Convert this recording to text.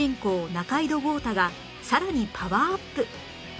仲井戸豪太がさらにパワーアップ